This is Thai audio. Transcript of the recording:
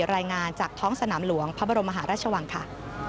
รายงานจากท้องสนามหลวงพระบรมมหาราชวังค่ะ